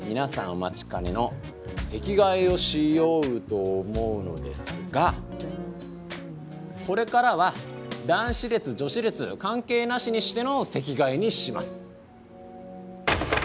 お待ちかねの席替えをしようと思うのですがこれからは男子列女子列関係なしにしての席替えにします。